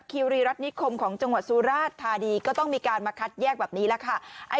คิวรีรัฐนิคมของจังหวัดสุราชธานีก็ต้องมีการมาคัดแยกแบบนี้แหละค่ะ